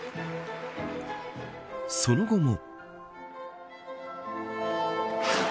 その後も。